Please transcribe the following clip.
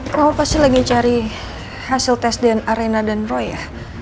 kenapa pasti lagi cari hasil tes dn arena dan roy ya